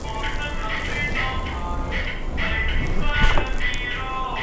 Era la casa de campo de Otto Kahn, un financiero y filántropo.